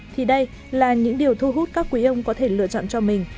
thì đây là những điều thu hút các quý ông có thể lựa chọn cho mình